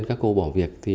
các cô bỏ việc